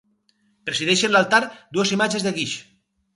Presideixen l'altar dues imatges de guix: